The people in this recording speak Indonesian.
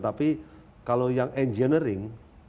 tapi kalau yang engineering